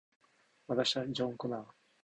私はジョン・コナー